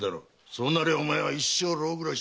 そうなりゃお前は一生牢暮らしだ。